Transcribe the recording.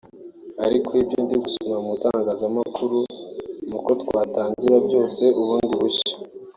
ariko ibyo ndi gusoma mu itangazamakuru ni uko twatangira byose bundi bushya